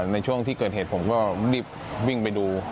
ในช่วงที่เกิดเหตุผมก็รีบวิ่งไปดู